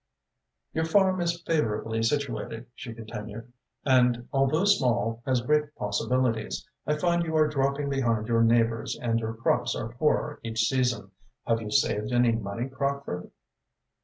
"Your farm is favourably situated," she continued, "and, although small, has great possibilities. I find you are dropping behind your neighbours and your crops are poorer each season. Have you saved any money, Crockford?"